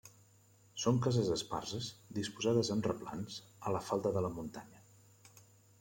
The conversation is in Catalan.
Són cases esparses, disposades en replans, a la falda de la muntanya.